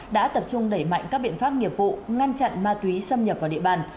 đã tập trung đẩy mạnh các biện pháp nghiệp vụ ngăn chặn ma túy xâm nhập vào địa bàn